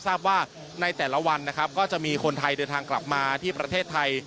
ทราบว่าในแต่ละวันนะครับก็จะมีคนไทยเดินทางกลับมาที่ประเทศไทย